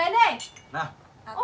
không say không về